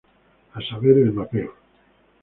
A saber, el mapeo.